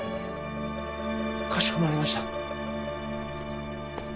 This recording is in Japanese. かしこまりました。